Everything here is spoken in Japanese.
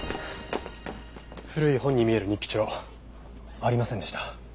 古い本に見える日記帳ありませんでした。